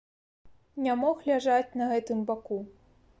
Не мог ляжаць на гэтым баку.